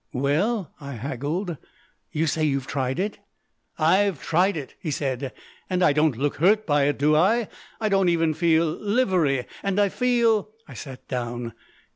"Well," I haggled. "You say you've tried it?" "I've tried it," he said, "and I don't look hurt by it, do I? I don't even look livery and I FEEL " I sat down.